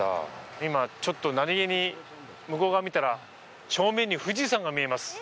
今、ちょっと何気に向こう側を見たら正面に富士山が見えます。